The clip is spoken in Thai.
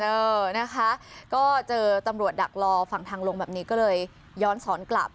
เออนะคะก็เจอตำรวจดักรอฝั่งทางลงแบบนี้ก็เลยย้อนสอนกลับ